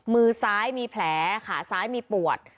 มือซ้ายมีแผลขาซ้ายมีปวด